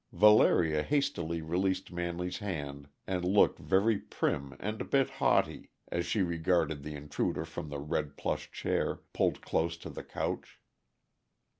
Valeria hastily released Manley's hand and looked very prim and a bit haughty, as she regarded the intruder from the red plush chair, pulled close to the couch.